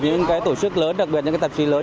những tổ chức lớn đặc biệt những tạp trí lớn